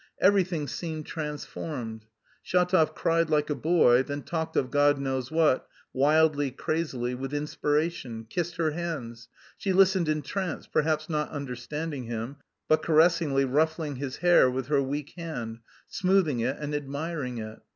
Everything seemed transformed. Shatov cried like a boy, then talked of God knows what, wildly, crazily, with inspiration, kissed her hands; she listened entranced, perhaps not understanding him, but caressingly ruffling his hair with her weak hand, smoothing it and admiring it.